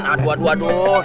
aduh aduh aduh